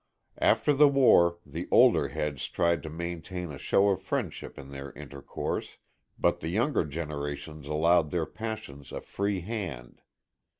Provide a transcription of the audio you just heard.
After the war the older heads tried to maintain a show of friendship in their intercourse, but the younger generations allowed their passions a free hand.